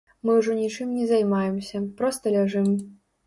Мы ўжо нічым не займаемся, проста ляжым.